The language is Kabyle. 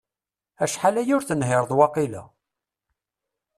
Acḥal aya ur tenhireḍ waqila?